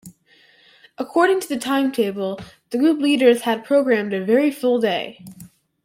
According to the timetable, the group leaders had programmed a very full day.